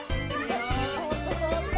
そっとそっと。